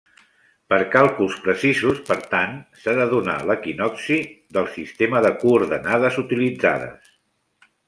Per càlculs precisos, per tant, s'ha de donar l'equinocci del sistema de coordenades utilitzades.